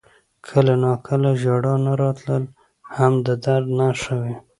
• کله ناکله ژړا نه راتلل هم د درد نښه وي.